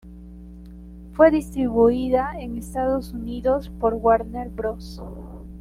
Fue distribuida en Estados Unidos por Warner Bros.